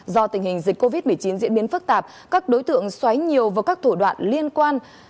do tình hình dịch covid một mươi chín diễn biến phức tạp các đối tượng xoáy nhiều vào các thủ đoạn liên quan